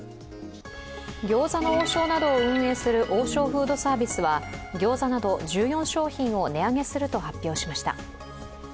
餃子の王将などを運営する王将フードサービスは餃子など１４商品を値上げすると発表しました。